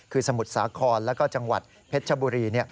คือสมุทรสาครแล้วก็จังหวัดเพชรชบุรี